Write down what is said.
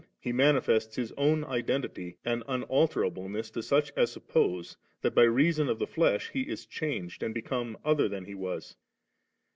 He manifests His own identity and unalter ableness to such as suppose that by reason of die flesh He is changed and become other than He was.